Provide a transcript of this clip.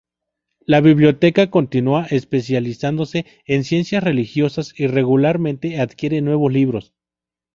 La biblioteca continúa especializándose en ciencias religiosas y regularmente adquiere nuevos libros.